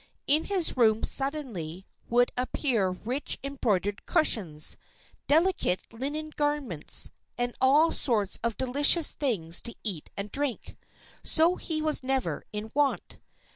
In his room suddenly would appear rich embroidered cushions, delicate linen garments, and all sorts of delicious things to eat and drink. So he was never in want.